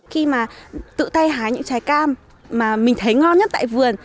khi mà tự tay hái những trái cam mà mình thấy ngon nhất tại vườn